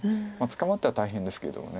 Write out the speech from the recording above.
捕まったら大変ですけれども。